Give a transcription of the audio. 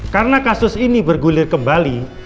karena kasus ini bergulir kembali